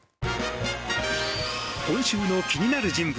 今週の気になる人物